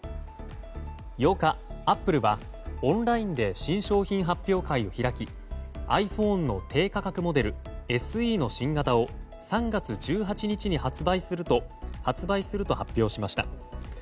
８日、アップルはオンラインで新商品発表会を開きｉＰｈｏｎｅの低価格モデルＳＥの新型を３月１８日に発売すると発表しました。